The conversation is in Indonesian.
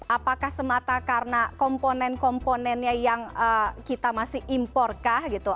apakah semata karena komponen komponennya yang kita masih imporkah gitu